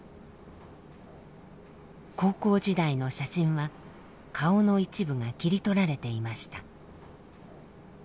高校時代の写真は顔の一部が切り取られていました。